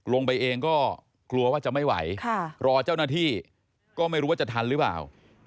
ลงไปเองก็กลัวว่าจะไม่ไหวรอเจ้าหน้าที่ก็ไม่รู้ว่าจะทันหรือเปล่า